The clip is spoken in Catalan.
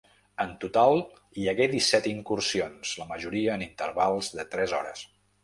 En total hi hagué disset incursions, la majoria en intervals de tres hores.